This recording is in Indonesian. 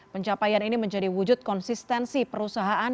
pencapaian ini menjadi wujud konsistensi perusahaan